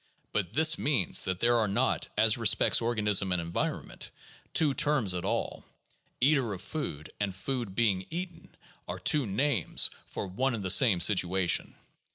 But this means that there are not, as respects organism and environment, two terms at all. Eater of food and food being eaten are two names for one and the same situation.